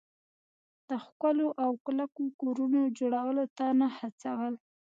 د ښکلو او کلکو کورونو جوړولو ته نه هڅول.